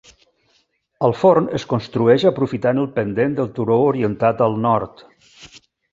El forn es construeix aprofitant el pendent del turó orientat al nord.